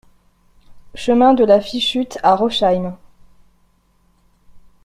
Chemin de la Fischhutte à Rosheim